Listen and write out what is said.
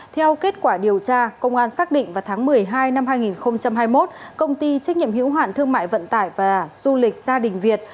theo kết quả điều tra công an xác định vào tháng một mươi hai năm hai nghìn hai mươi một công ty trách nhiệm hữu hoạn thương mại vận tải và du lịch gia đình việt